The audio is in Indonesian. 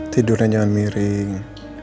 tidurnya jangan miring